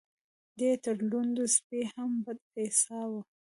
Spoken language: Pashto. دی يې تر لوند سپي هم بد ايساوه.